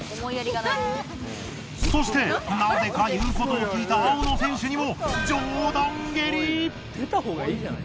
そしてなぜか言うことを聞いた青の選手にも。